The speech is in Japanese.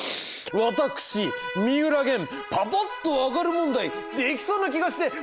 私三浦玄パパっと分かる問題できそうな気がしてまいりました！